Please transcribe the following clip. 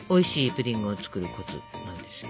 プディングを作るコツなんですって。